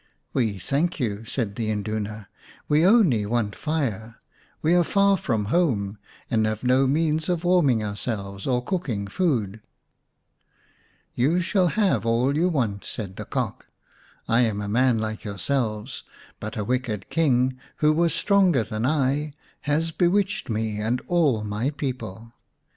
134 xi The Cock's Kraal " We thank you," said the Induna ;" we only want fire. We are far from home, and have no means of warming ourselves or cooking food." "You shall have all you want," said the Cock. " I am a man like yourselves, but a wicked King who was stronger than I has bewitched me and all my people.